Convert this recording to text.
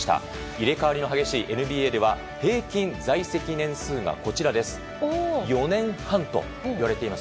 入れ替わりの激しいＮＢＡでは平均在籍年数が４年半といわれています。